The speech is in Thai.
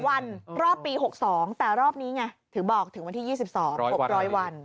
วันรอบปี๖๒แต่รอบนี้ไงถึงบอกถึงวันที่๒๒๖๐๐วัน